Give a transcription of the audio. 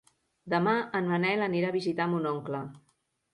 Demà en Manel anirà a visitar mon oncle.